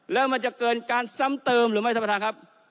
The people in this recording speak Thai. แล้วมันจะเกินการซ้ำเติมหรือไม่ท่านประธานครับ